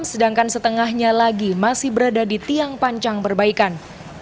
sedangkan setengahnya lagi masih berada di tiang pancang perbaikan